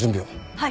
はい！